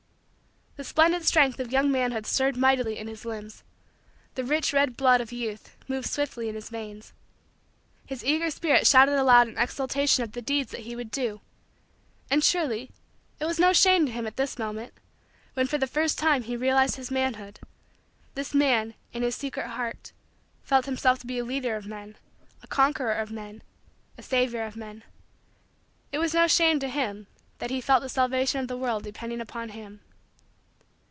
The splendid strength of young manhood stirred mightily in his limbs. The rich, red, blood of youth moved swiftly in his veins. His eager spirit shouted aloud in exultation of the deeds that he would do. And, surely, it was no shame to him that at this moment, when for the first time he realized his manhood, this man, in his secret heart, felt himself to be a leader of men, a conqueror of men, a savior of men. It was no shame to him that he felt the salvation of the world depending upon him.